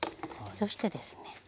そしてですね。